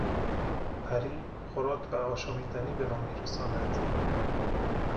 پری خوراک و آشامیدنی به ما میرساند.